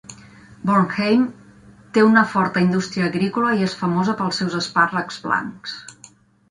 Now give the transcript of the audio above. Bornheim té una forta indústria agrícola i és famosa pels seus espàrrecs blancs.